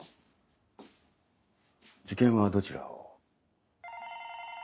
受験はどちらを？